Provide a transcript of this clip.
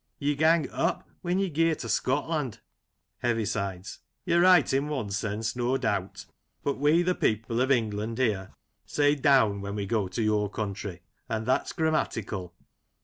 Ye gang up when you gae to Scotland Heavisides : You're right in one sense, no doubt ; but we, the people of England here, say down when we go to your country, and that's grammatical.